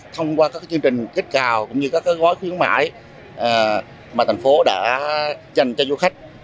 thông qua các chương trình kích cào cũng như các gói khuyến mại mà thành phố đã dành cho du khách